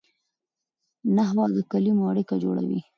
نحوه د کلیمو اړیکه جوړوي.